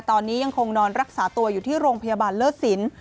ตอนนี้ยังคงนอนรักษาตัวอยู่ที่โรงพยาบาลเลิศสิน